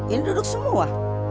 ini duduk semua